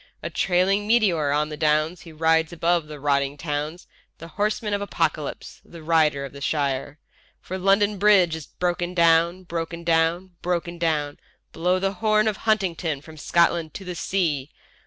A trailing meteor on the Downs he rides above the rotting towns, The Horseman of Apocalypse, the Rider of the Shires. For London Bridge is broken down, broken down, broken down; Blow the horn of Huntingdon from Scotland to the sea— ...